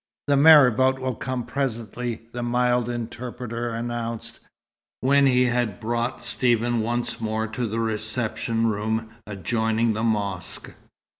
"The marabout will come presently," the mild interpreter announced, when he had brought Stephen once more to the reception room adjoining the mosque.